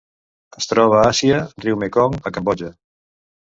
Es troba a Àsia: riu Mekong a Cambodja.